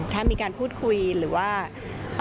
ถ้ามีการพูดคุยหรือว่า